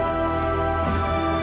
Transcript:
aku harus ke belakang